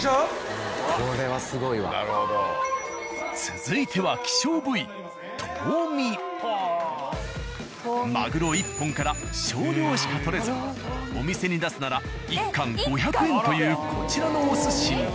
続いてはマグロ１本から少量しか取れずお店に出すなら一貫５００円というこちらのお寿司も。